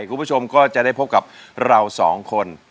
คุณผู้ชมก็จะได้พบกับเราสองคน